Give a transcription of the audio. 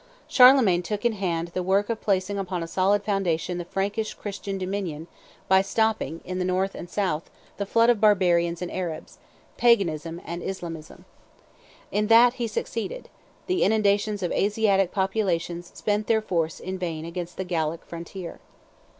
Charlemagne took in hand the work of placing upon a solid foundation the Frankish Christian dominion by stopping, in the north and south, the flood of barbarians and Arabs Paganism and Islamism. In that he succeeded: the inundations of Asiatic populations spent their force in vain against the Gallic frontier.